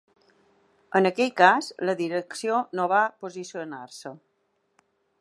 En aquell cas, la direcció no va posicionar-se.